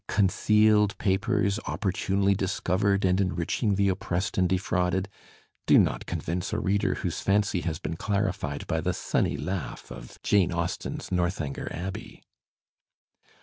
Concealed papers, opportunely discovered and enriching the oppressed and defrauded, do not convince a reader whose fancy has been clarified by the simny laugh of Jane Austen's "Northanger Abbey.